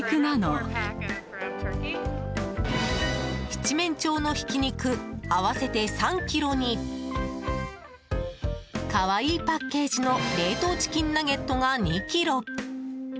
七面鳥のひき肉合わせて３ｋｇに可愛いパッケージの冷凍チキンナゲットが、２ｋｇ！